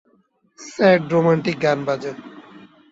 Sad romantic গান বাজে।